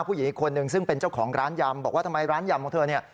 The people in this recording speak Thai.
ผู้หญิงอีกคนนึงซึ่งเป็นเจ้าของร้านยำบอกว่าทำไมร้านยำของเธอเนี่ย